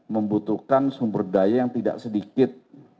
membutuhkan sumber daya yang tidak sedikit